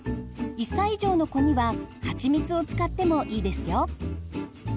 １歳以上の子には蜂蜜を使ってもいいですよ。